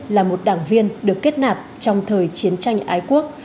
là một đảng viên được kết nạp trong thời chiến tranh ái quốc